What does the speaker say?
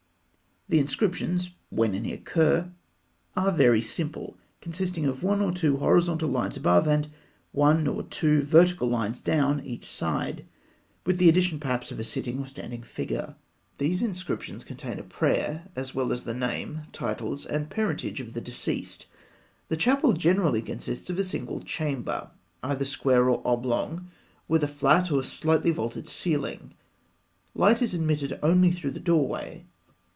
The inscriptions, when any occur, are very simple, consisting of one or two horizontal lines above, and one or two vertical lines down each side, with the addition perhaps of a sitting or standing figure. These inscriptions contain a prayer, as well as the name, titles, and parentage of the deceased. The chapel generally consists of a single chamber, either square or oblong, with a flat or a slightly vaulted ceiling. Light is admitted only through the doorway.